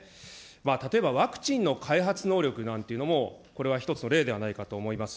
例えばワクチンの開発能力なんていうのも、これは１つの例ではないかと思います。